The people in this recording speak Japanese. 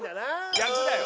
逆だよ。